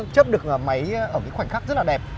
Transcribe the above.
chấp được máy ở khoảnh khắc rất là đẹp